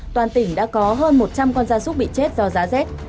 toàn tỉnh đã có hơn một trăm linh con da súc bị chết do giá xét